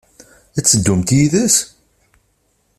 Ad teddumt yid-s?